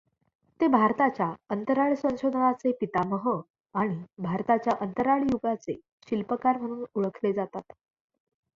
ते भारताच्या अंतराळ संशोधनाचे पितामह आणि भारताच्या अंतराळ युगाचे शिल्पकार म्हणून ओळखले जातात.